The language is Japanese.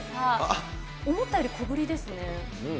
思ったより小ぶりですね。